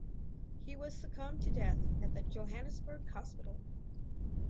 He was succumb to death at the Johannesburg hospital.